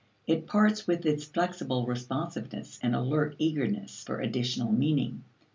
It parts with its flexible responsiveness and alert eagerness for additional meaning.